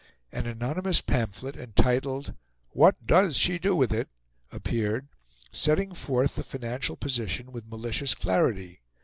An anonymous pamphlet entitled "What does she do with it?" appeared, setting forth the financial position with malicious clarity.